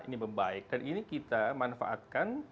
ini membaik dan ini kita manfaatkan